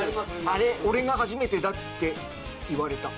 あれ俺が初めてだって言われた。